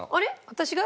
私が？